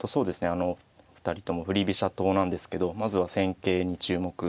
あの２人とも振り飛車党なんですけどまずは戦型に注目ですね。